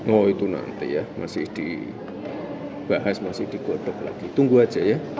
oh itu nanti ya masih dibahas masih digodok lagi tunggu aja ya